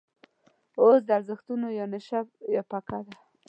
اوس دا ارزښتونه یا نشته یا پیکه دي.